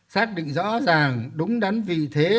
xác định rõ ràng đúng đắn vị thế